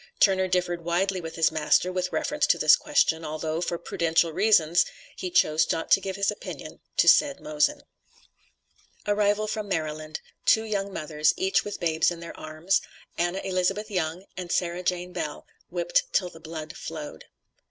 Turner differed widely with his master with reference to this question, although, for prudential reasons, he chose not to give his opinion to said Mosen. ARRIVAL FROM MARYLAND. TWO YOUNG MOTHERS, EACH WITH BABES IN THEIR ARMS ANNA ELIZABETH YOUNG AND SARAH JANE BELL WHIPPED TILL THE BLOOD FLOWED.